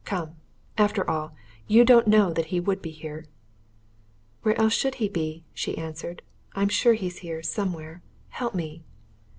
"Come after all, you don't know that he would be here." "Where else should he be?" she answered. "I'm sure he's here, somewhere. Help me!"